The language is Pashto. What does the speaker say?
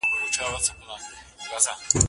پښتون ژغورني غورځنګ ته!